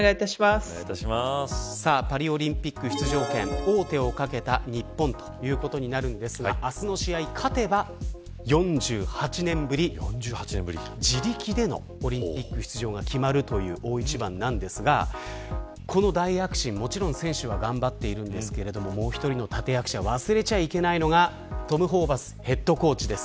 パリオリンピック出場権王手をかけた日本ということになるんですが明日の試合、勝てば４８年ぶり自力でのオリンピック出場が決まるという大一番なんですがこの大躍進、もちろん選手は頑張っているんですがもう１人の立役者忘れちゃいけないのはトム・ホーバスヘッドコーチです。